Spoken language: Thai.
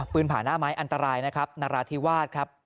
ผ่าหน้าไม้อันตรายนะครับนราธิวาสครับ